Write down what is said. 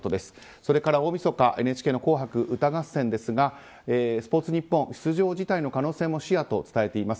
それから大みそかＮＨＫの「紅白歌合戦」ですがスポーツニッポン出場辞退の可能性も視野と伝えています。